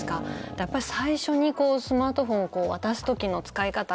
やっぱ最初にスマートフォンを渡す時の使い方